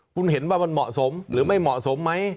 คุณเห็นว่ามันเหมาะสมหรือไม่เหมาะสมไหม